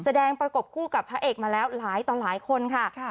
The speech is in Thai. ประกบคู่กับพระเอกมาแล้วหลายต่อหลายคนค่ะ